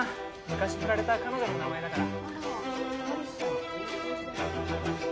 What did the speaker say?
昔フラれた彼女の名前だから。